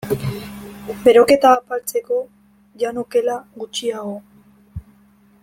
Beroketa apaltzeko, jan okela gutxiago.